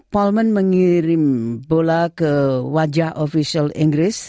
polman mengirim bola ke wajah ofisial inggris